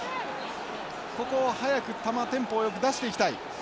ここを早く球テンポをよく出していきたい。